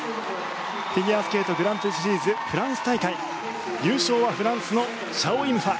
フィギュアスケートグランプリシリーズフランス大会優勝はフランスのシャオ・イム・ファ。